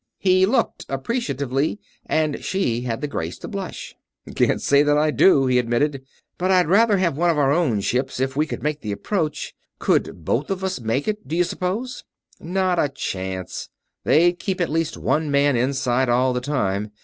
He looked, appreciatively, and she had the grace to blush. "Can't say that I do," he admitted. "But I'd rather have one of our own ships, if we could make the approach. Could both of us make it, do you suppose?" "Not a chance. They'd keep at least one man inside all the time.